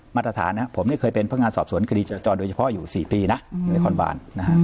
มาตรฐานผมเคยเป็นพักงานสอบสวนคดีจัดจอโดยเฉพาะอยู่๔ปีในคอนบาล